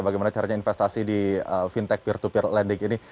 bagaimana caranya investasi di fintech peer to peer lending ini